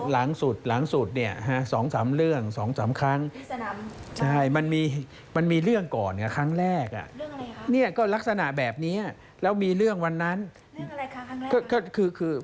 แล้วเหมือนอย่างที่หลายคนทุกคนร่วมกันประดามผมแล้วสร้างเรื่องให้เกิดขึ้นกับผม